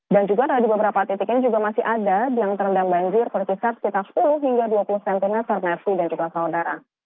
dan juga ada beberapa titik ini juga masih ada yang terendam banjir berkisar sekitar sepuluh hingga dua puluh cm merci dan juga saudara